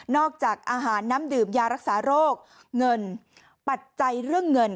จากอาหารน้ำดื่มยารักษาโรคเงินปัจจัยเรื่องเงิน